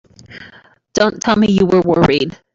Don't tell me you were worried!